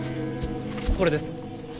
これです。